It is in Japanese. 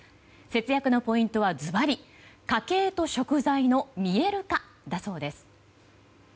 節約のポイントは、ずばり家計と食材の見える化だそうです。